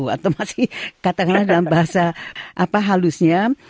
atau masih katakan dalam bahasa apa halusnya